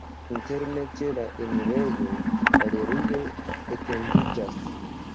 Interne ĉe la enirejo galerio etendiĝas.